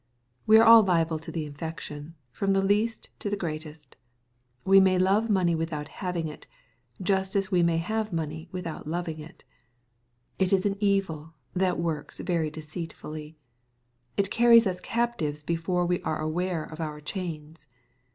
We are all liable to the infection, from the least to the greatest. We may love money wjXliput having it, just as we may have money without loving it. It is an evil that works very deceitfully. It carries us captives before we are aware of our chains.